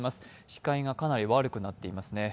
視界がかなり悪くなっていますね。